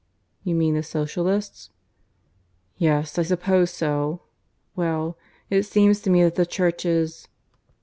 "You mean the Socialists?" "Yes, I suppose so. Well, it seems to me that the Church is